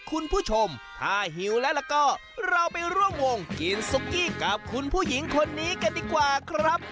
คุณผู้ชมถ้าหิวแล้วก็เราไปร่วมวงกินซุกกี้กับคุณผู้หญิงคนนี้กันดีกว่าครับ